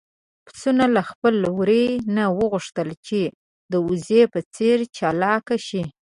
پسونو له خپل وري نه وغوښتل چې د وزې په څېر چالاک شي.